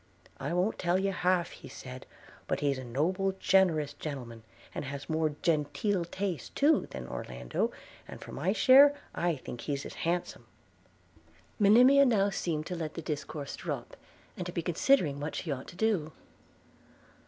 I won't tell you half he said; but he's a noble generous gentleman, and has a more genteeler taste too than Orlando; and for my share, I think he's as handsome.' Monimia now seemed to let the discourse drop, and to be considering what she ought to do.